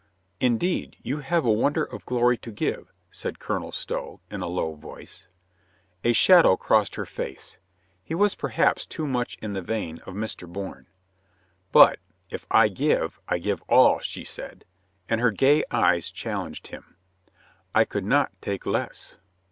"Indeed, you have a wonder of glory to give," said Colonel Stow in a low voice. A shadow crossed her face. He was perhaps too much in the vein of Mr. Bourne. But, "If I give, I give all," she said, and her gay eyes challenged him. "I could not take less."